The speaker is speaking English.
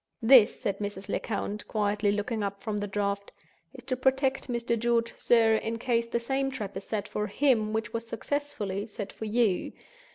"This," said Mrs. Lecount, quietly looking up from the Draft, "is to protect Mr. George, sir, in case the same trap is set for him which was successfully set for you.